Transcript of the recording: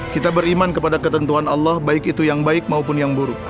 kita beriman kepada ketentuan allah baik itu yang baik maupun yang buruk